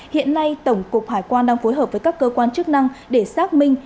hiện nay tổng cục hải quan đang phối hợp với các cơ quan chức năng để xác minh